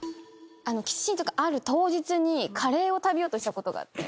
キスシーンとかある当日にカレーを食べようとしたことがあって。